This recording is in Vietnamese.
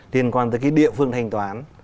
liên quan tới cái địa phương hành toán